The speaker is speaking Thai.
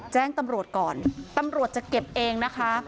แจ้งตำรวจก่อนตำรวจจะเก็บเองนะคะ